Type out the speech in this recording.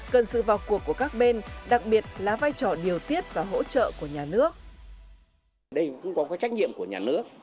cần sự vào cuộc của các bên đặc biệt là vai trò điều tiết và hỗ trợ của nhà nước